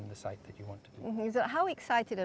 di dalam tempat yang anda inginkan